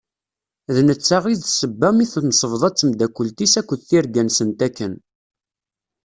D netta d i d sebba mi temsebḍa d temdakelt-is akked tirga-nsent akken.